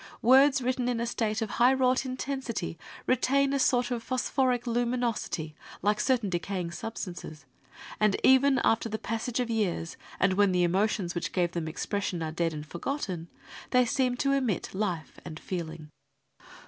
Words written in a state of high wrought intensity retain a sort of phosphoric luminosity, like certain decaying substances, and even after the passage of years, and when the emotions which gave them expression are dead and for gotten, they seem to emit life and feeling.